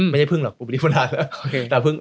ไม่ใช่เพิ่งหรอกบุปนิทาดแล้ว